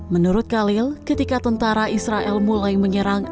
menurut khalil ketika tentara israel mulai menyerang